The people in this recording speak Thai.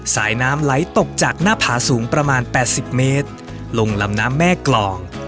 สายน้ำไหลตกจากหน้าผาสูงประมาณ๘๐เมตรลงลำน้ำแม่กลอง